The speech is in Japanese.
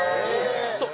そう。